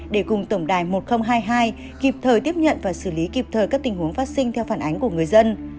để cùng tổng đài một nghìn hai mươi hai kịp thời tiếp nhận và xử lý kịp thời các tình huống phát sinh theo phản ánh của người dân